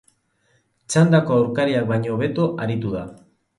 Txandako aurkariak baino hobeto aritu da.